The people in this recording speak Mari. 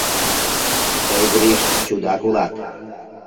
— Тый, Гриш, чудак улат.